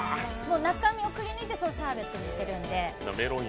中身をくりぬいてそれをシャーベットにしてるんで。